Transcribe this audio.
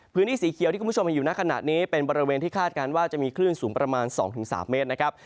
สีเขียวที่คุณผู้ชมเห็นอยู่ในขณะนี้เป็นบริเวณที่คาดการณ์ว่าจะมีคลื่นสูงประมาณ๒๓เมตรนะครับ